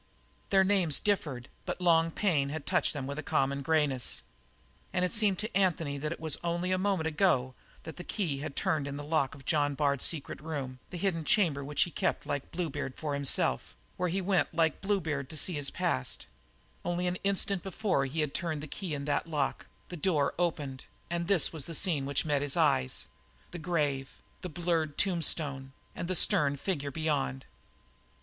Their names differed, but long pain had touched them with a common greyness. And it seemed to Anthony that it was only a moment ago that the key turned in the lock of John Bard's secret room, the hidden chamber which he kept like Bluebeard for himself, where he went like Bluebeard to see his past; only an instant before he had turned the key in that lock, the door opened, and this was the scene which met his eyes the grave, the blurred tombstone, and the stern figure beyond.